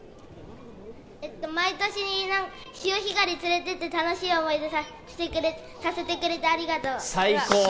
毎年、潮干狩りに連れてってくれて、毎年、楽しい思いをさせてくれてありがとう。